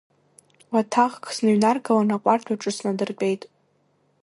Уаҭахк сныҩнаргалан, аҟәардә аҿы снадыртәеит.